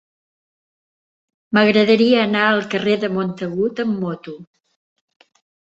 M'agradaria anar al carrer de Montagut amb moto.